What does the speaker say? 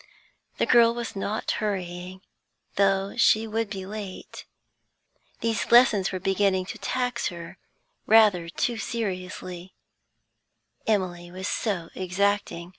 The girl was not hurrying, though she would be late; these lessons were beginning to tax her rather too seriously; Emily was so exacting.